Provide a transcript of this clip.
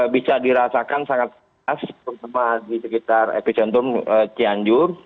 bisa dirasakan sangat keras terutama di sekitar epicentrum cianjur